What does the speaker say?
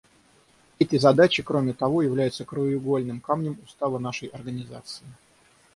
Эти задачи, кроме того, являются краеугольным камнем Устава нашей Организации.